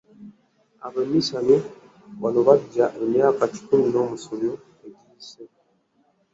Abaminsani wano bajja emyaka kikumi n'omusobyo egiyise.